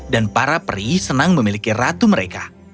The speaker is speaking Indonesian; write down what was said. dan para pri senang memiliki ratu mereka